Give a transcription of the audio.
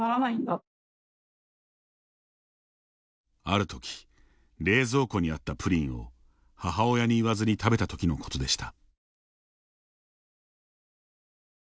あるとき、冷蔵庫にあったプリンを母親に言わずに食べたときのことでした。